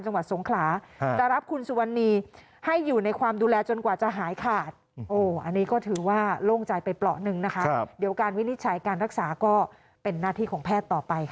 จังหวัดสงขลาจะเอาคุณสวรรณีให้อยู่ในความดูแลจนกว่าจะหายขาด